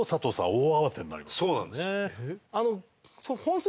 そうなんです。